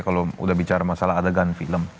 kalau udah bicara masalah adegan film